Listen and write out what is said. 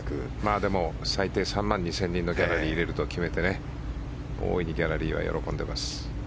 でも最低３万２０００人のギャラリーを入れると決めて大いにギャラリーは喜んでいます。